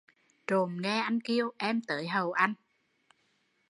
Trộm nghe anh kêu, em tới hầu anh